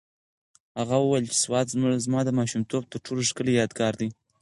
هغې وویل چې سوات زما د ماشومتوب تر ټولو ښکلی یادګار دی.